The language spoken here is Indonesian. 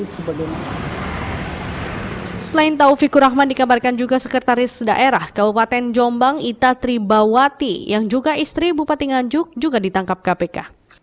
selain taufikur rahman dikabarkan juga sekretaris daerah kabupaten jombang ita tribawati yang juga istri bupati nganjuk juga ditangkap kpk